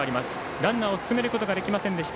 ランナーを進めることができませんでした